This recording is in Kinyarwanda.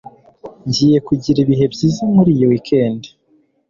Ngiye kugira ibihe byiza muri iyi weekend.